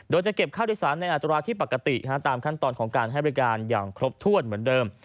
โดยจะเก็บค่าโดยสารในอัตราที่ปกติตามขั้นตอนของการให้บริการอย่างครบถ้วนเหมือนเดิม